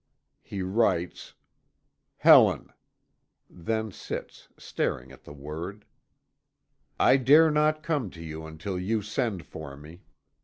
He writes: "Helen:" then sits staring at the word. "I dare not come to you until you send for me.